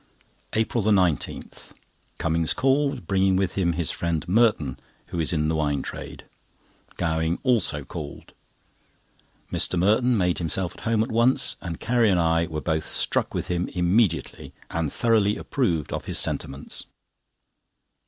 APRIL 19.—Cummings called, bringing with him his friend Merton, who is in the wine trade. Gowing also called. Mr. Merton made himself at home at once, and Carrie and I were both struck with him immediately, and thoroughly approved of his sentiments.